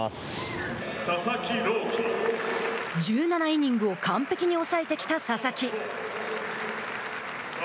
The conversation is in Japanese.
１７イニングを完璧に抑えてきた佐々木。